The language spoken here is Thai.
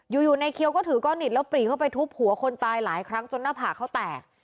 อยู่ในเขียวก็ถือก้อนหินแล้วปรีเข้าไปทุบหัวคนตายหลายครั้งจนหน้าผากเขาแตก